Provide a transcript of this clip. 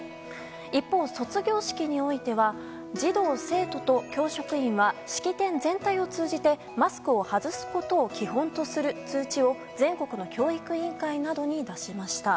一方、卒業式においては児童生徒と教職員は式典全体を通じて、マスクを外すことを基本とする通知を全国の教育委員会などに出しました。